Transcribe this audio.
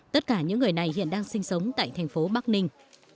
tất cả những người này hiện đang sinh sống tại thành phố bắc ninh